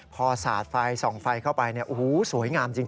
พอสาดไฟส่องไฟเข้าไปสวยงามจริง